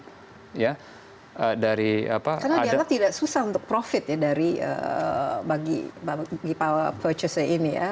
karena agar tidak susah untuk profit ya bagi power purchase ini ya